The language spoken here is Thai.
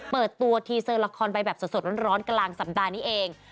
เปิดตัวทีเซอร์ละครไปแบบสดร้อนกลางสัปดาห์นี้เอง